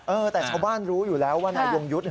แต่ชาวบ้านรู้อยู่แล้วว่านายวงยุทธ์